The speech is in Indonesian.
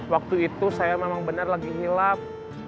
waktu itu saya memang benar lagi ngilap